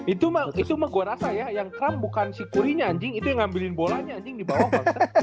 itu mah itu mah gue rasa ya yang kram bukan si kuri nya anjing itu yang ngambilin bolanya anjing dibawah baksa